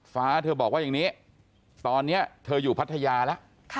ฟ้าเธอบอกว่าอย่างนี้ตอนนี้เธออยู่พัทยาแล้ว